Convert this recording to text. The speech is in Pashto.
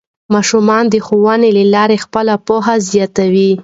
ماشومان د ښوونې له لارې خپله پوهه زیاتوي